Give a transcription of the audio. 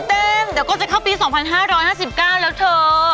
เดี๋ยวก็จะเข้าปี๒๕๕๙แล้วเถอะ